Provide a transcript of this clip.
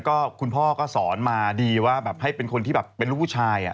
ก็คุณพ่อก็สอนมาดีว่าแบบให้เป็นคนที่แบบเป็นลูกผู้ชาย